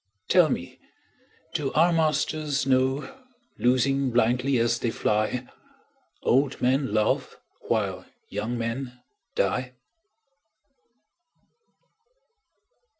Tell me, do our masters know, Loosing blindly as they fly, Old men love while young men die?